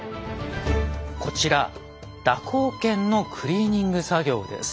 こちら蛇行剣のクリーニング作業です。